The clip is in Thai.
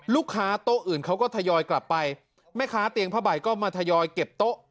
โต๊ะอื่นเขาก็ทยอยกลับไปแม่ค้าเตียงผ้าใบก็มาทยอยเก็บโต๊ะ